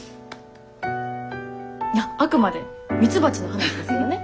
あっあくまでミツバチの話ですけどね。